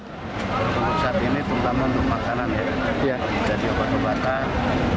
untuk saat ini terutama untuk makanan ya jadi obat obatan